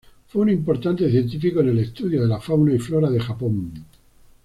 Fue un importante científico en el estudio de la fauna y flora de Japón.